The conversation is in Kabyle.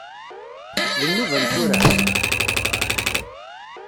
D nnuba-m tura?